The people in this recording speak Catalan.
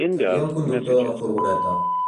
Seria el conductor de la furgoneta.